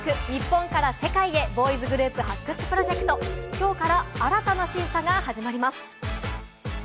日本から世界へボーイズグループ発掘プロジェクト、きょうから新たな審査が始まります。